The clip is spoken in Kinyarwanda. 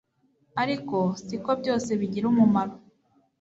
ariko si ko byose bigira umumaro